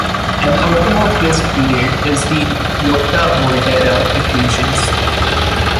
An outcome of this period is the Lotka-Volterra equations.